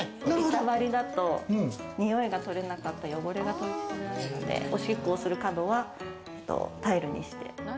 床張りだと臭いが取れなかったり、汚れが取れないので、おしっこをする角はタイルにして。